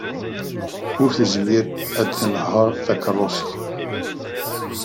Ur tezmir ad tenheṛ takeṛṛust.